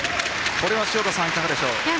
これは潮田さんいかがでしょう？